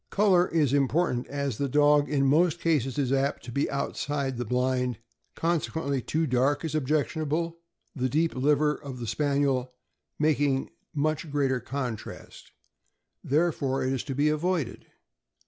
Color is important, as the dog in most cases is apt to be outside the blind, consequently too dark is objectionable; the deep liver of the Spaniel making much greater contrast, there fore it is to be avoided.